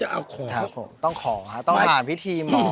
ชื่องนี้ชื่องนี้ชื่องนี้ชื่องนี้ชื่องนี้ชื่องนี้ชื่องนี้